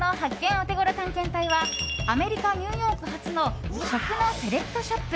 オテゴロ探検隊はアメリカ・ニューヨーク発の食のセレクトショップ